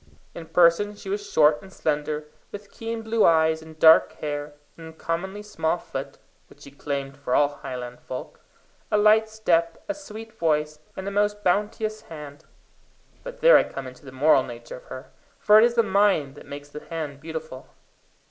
In person she was short and slender, with keen blue eyes and dark hair; an uncommonly small foot, which she claimed for all Highland folk; a light step, a sweet voice, and a most bounteous hand but there I come into the moral nature of her, for it is the mind that makes the hand bountiful.